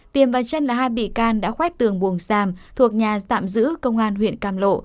tiềm và chân là hai bị can đã khoét tường buồng sàm thuộc nhà tạm giữ công an huyện cam lộ